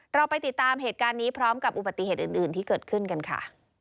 เราไปติดตามเหตุการณ์นี้พร้อมกับอุบัติเหตุอื่นที่เกิดขึ้นกันค่ะ